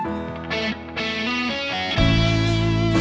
เพลงที่๑๐